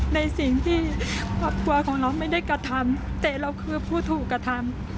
ในสิ่งที่ครอบครัวของน้องไม่ได้กระทำแต่เราคือผู้ถูกกระทำ